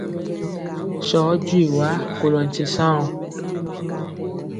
Sɔɔ jwi wa kolɔ nkye saŋ wɔ.